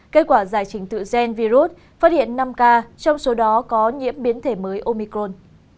kết quả giải trình tự gen virus phát hiện năm ca trong số đó có nhiễm biến thể mới omicron